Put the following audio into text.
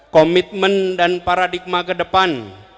komitmen dan paradigma kedepan